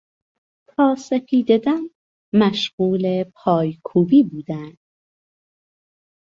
تا سپیدهدم مشغول پای کوبی بودند.